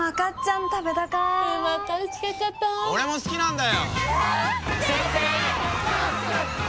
俺も好きなんだよ。